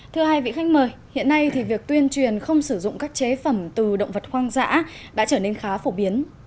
thưa hai vị khách mời hiện nay thì việc tuyên truyền không sử dụng các chế phẩm từ động vật hoang dã đã trở nên khá phổ biến